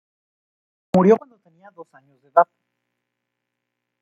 Murió cuando tenía dos años de edad.